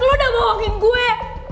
lo udah bohongin gue